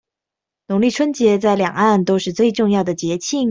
農曆春節在兩岸都是最重要的節慶